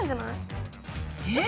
え！